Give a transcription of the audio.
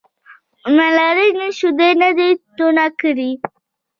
ملالۍ نن شیدې نه دي تونه کړي.